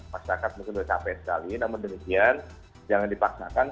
masyarakat mungkin sudah capek sekali namun demikian jangan dipaksakan